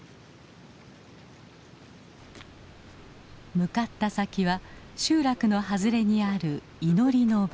向かった先は集落の外れにある祈りの場。